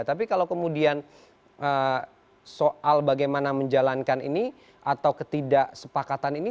tapi kalau kemudian soal bagaimana menjalankan ini atau ketidaksepakatan ini